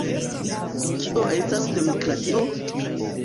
Kio estas demokratio?